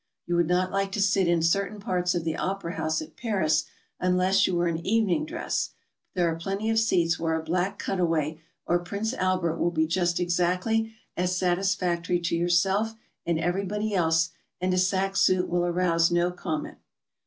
You would not like to sit in certain parts of the opera house at Paris unless you were in evening dress, but there are plenty of seats where a black cutaway or Prince Albert will be just exactly as satisfactory to yourself and everybody else, and a sack suit will arouse no comment.